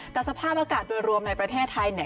แต่สภาพอากาศโดยรวมในประเทศไทยเนี่ย